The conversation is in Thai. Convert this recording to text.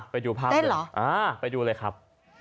ไปดูภาพหนึ่งไปดูเลยครับอ้าไปดูเลยครับ